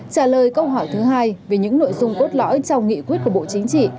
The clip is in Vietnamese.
trả lời câu hỏi thứ hai về những nội dung cốt lõi trong nghị quyết của bộ chính trị